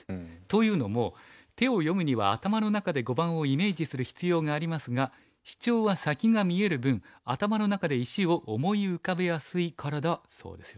というのも手を読むには頭の中で碁盤をイメージする必要がありますがシチョウは先が見える分頭の中で石を思い浮かべやすいからだそうですよ。